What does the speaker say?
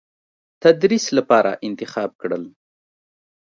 تدریس لپاره انتخاب کړل.